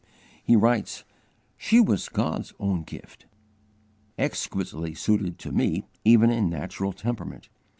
He writes: "She was God's own gift, exquisitely suited to me even in natural temperament.